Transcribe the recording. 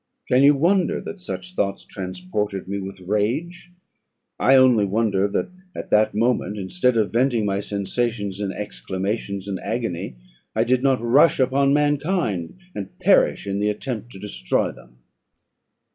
"Can you wonder that such thoughts transported me with rage? I only wonder that at that moment, instead of venting my sensations in exclamations and agony, I did not rush among mankind, and perish in the attempt to destroy them.